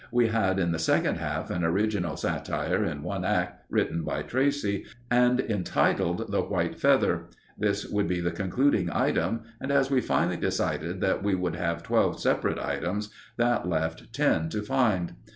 We had in the second half an original satire in one act written by Tracey, and entitled "The White Feather." This would be the concluding item, and as we finally decided that we would have twelve separate items, that left ten to find.